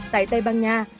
tại tây ban nha